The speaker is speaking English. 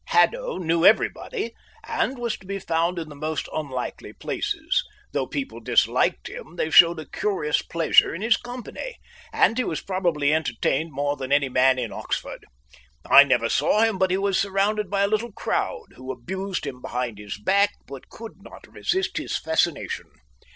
Haddo knew everybody and was to be found in the most unlikely places. Though people disliked him, they showed a curious pleasure in his company, and he was probably entertained more than any man in Oxford. I never saw him but he was surrounded by a little crowd, who abused him behind his back, but could not resist his fascination.